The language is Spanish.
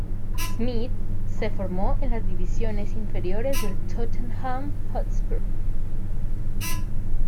Smith se formó en las divisiones inferiores del Tottenham Hotspur.